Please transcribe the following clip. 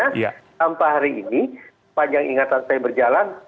soalnya sampai hari ini panjang ingatan saya berjalan